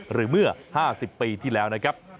หรือเมื่อ๕๐ปีที่แล้วนะครับ